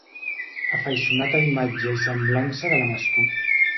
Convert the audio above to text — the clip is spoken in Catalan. Afaiçonat a imatge i semblança de la Mascó.